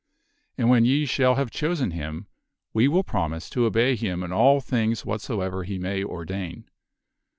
And when ye shall have chosen him, we will promise to obey him in all things whatsoever he may ordain.